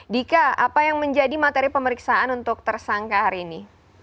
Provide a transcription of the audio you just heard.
dika apa yang menjadi materi pemeriksaan untuk tersangka hari ini